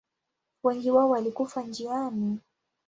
Wengi wao walikufa njiani.